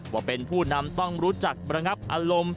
ว่าเป็นผู้นำต้องรู้จักระงับอารมณ์